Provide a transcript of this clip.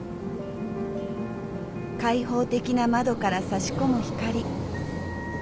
開放的な窓からさし込む光。